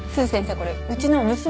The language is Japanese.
これうちの娘。